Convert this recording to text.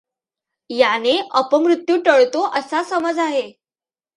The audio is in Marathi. याने अपमृत्यु टळतो असा समज आहे.